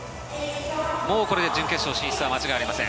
これで準決勝進出は間違いありません。